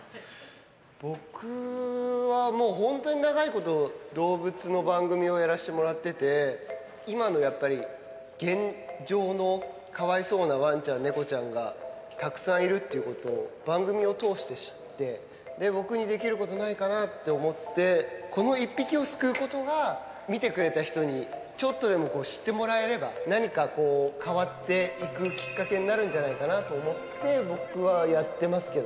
僕はもう本当に長いこと、動物の番組をやらせてもらってて、今のやっぱり現状のかわいそうなわんちゃん、猫ちゃんがたくさんいるっていうことを番組を通して知って、僕にできることないかなと思って、この一匹を救うことが、見てくれた人にちょっとでも知ってもらえれば、何かこう、変わっていくきっかけになるんじゃないかなと思って、僕はやってますけ